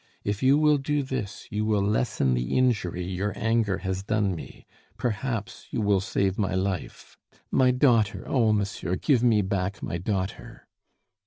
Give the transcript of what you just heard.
If you will do this you will lessen the injury your anger has done me; perhaps you will save my life. My daughter! oh, monsieur, give me back my daughter!"